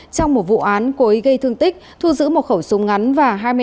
trong một vụ án cối gây thương tích thu giữ một khẩu súng ngắn và hai mươi năm viên đạn